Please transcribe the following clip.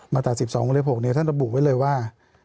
มาตรา๑๒องค์เล็บ๖ท่านต้องบุคไว้เลยว่า